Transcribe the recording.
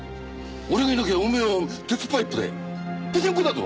俺がいなきゃおめえは鉄パイプでぺしゃんこだぞ！